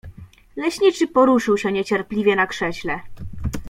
Leśniczy poruszył się niecierpliwie na krześle.